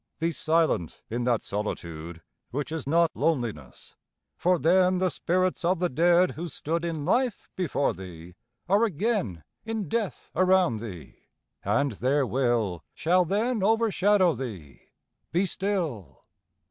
Be silent in that solitude, 5 Which is not loneliness for then The spirits of the dead, who stood In life before thee, are again In death around thee, and their will Shall overshadow thee; be still.